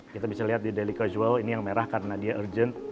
kita bisa lihat di daily carsual ini yang merah karena dia urgent